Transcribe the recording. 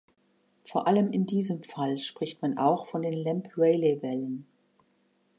Vor allem in diesem Fall spricht man auch von Lamb-Rayleigh-Wellen.